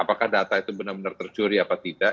apakah data itu benar benar tercuri atau tidak